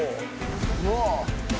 うわ！